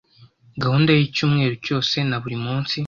gahunda y'icyumweru cyose na buri munsi,